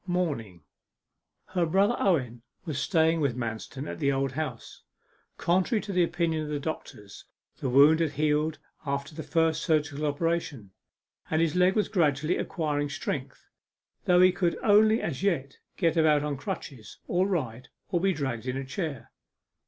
MORNING Her brother Owen was staying with Manston at the Old House. Contrary to the opinion of the doctors, the wound had healed after the first surgical operation, and his leg was gradually acquiring strength, though he could only as yet get about on crutches, or ride, or be dragged in a chair.